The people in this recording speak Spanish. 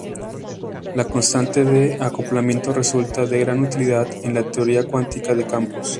La constante de acoplamiento resulta de gran utilidad en la teoría cuántica de campos.